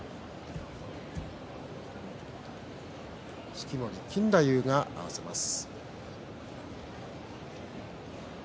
式守錦太夫が合わせます。